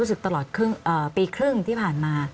รู้สึกตลอดปีครึ่งที่ผ่านมา